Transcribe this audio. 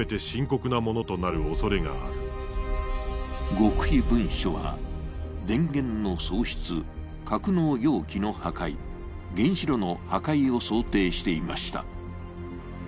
極秘文書は電源の喪失、格納容器の破壊、原子炉の破壊を想定していました。